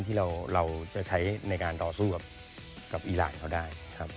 ที่เราจะใช้ในการต่อสู้กับอีรานเขาได้ครับ